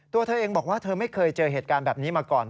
ตัวเธอเองบอกว่าเธอไม่เคยเจอเหตุการณ์แบบนี้มาก่อน